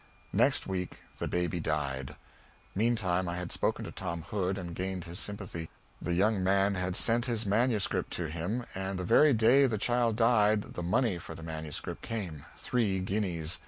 Next week the baby died. Meantime I had spoken to Tom Hood and gained his sympathy. The young man had sent his manuscript to him, and the very day the child died the money for the MS. came three guineas.